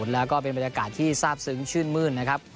แล้วก็เป็นบรรยากาศที่ทราบซึ้งชื่นมื้นนะครับ